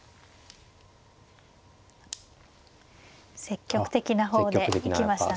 積極的な方で行きましたね。